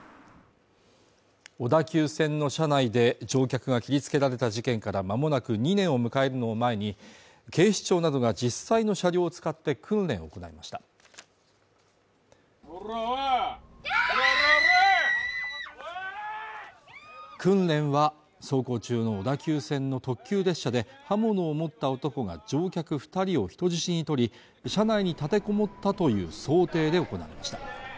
小田急線の車内で乗客が切りつけられた事件からまもなく２年を迎えるのを前に警視庁などが実際の車両を使って訓練を行いました訓練は走行中の小田急線の特急列車で刃物を持った男が乗客二人を人質に取り車内に立てこもったという想定で行われました